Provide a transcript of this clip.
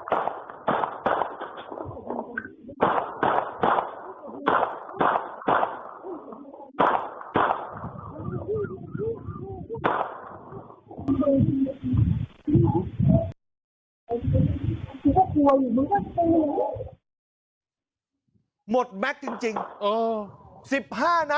คุณหมดมั๊กจริงจริงโอ้ยสิบห้านักค่ะ